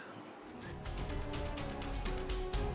pembelian dan penerbangan